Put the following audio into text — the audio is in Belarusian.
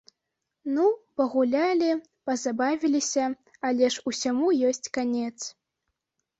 Ну, пагулялі, пазабавіліся, але ж усяму ёсць канец.